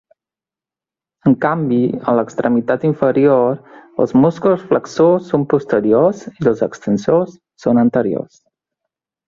En canvi, en l'extremitat inferior, els músculs flexors són posteriors i els extensors són anteriors.